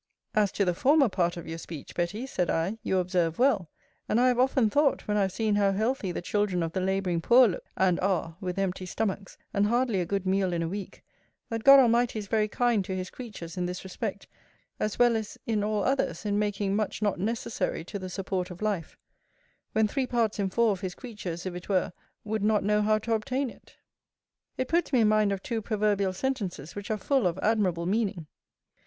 As to the former part of your speech, Betty, said I, you observe well; and I have often thought, when I have seen how healthy the children of the labouring poor look, and are, with empty stomachs, and hardly a good meal in a week, that God Almighty is very kind to his creatures, in this respect, as well as in all others in making much not necessary to the support of life; when three parts in four of His creatures, if it were, would not know how to obtain it. It puts me in mind of two proverbial sentences which are full of admirable meaning.